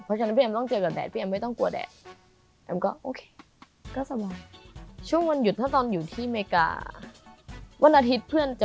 เพราะฉะนั้นพี่แอมม์ต้องเจอกับแดด